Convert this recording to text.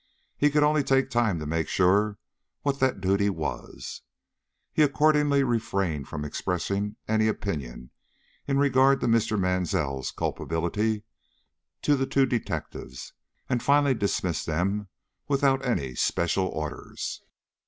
He could only take time to make sure what that duty was. He accordingly refrained from expressing any opinion in regard to Mr. Mansell's culpability to the two detectives, and finally dismissed them without any special orders.